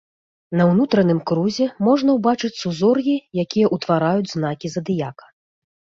На ўнутраным крузе можна ўбачыць сузор'і, якія ўтвараюць знакі задыяка.